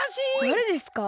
だれですか？